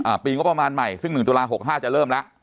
อ่าปีงบประมาณใหม่ซึ่ง๑ตุลาห์๖๕จะเริ่มแล้ว